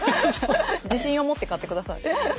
自信を持って買ってください。